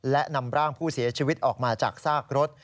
และนำร่างผู้เสียชีวิตออกมาจากซากรถ